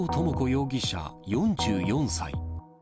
容疑者４４歳。